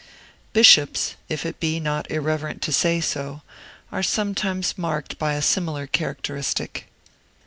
Bishops, if it be not irreverent to say so, are sometimes marked by a similar characteristic.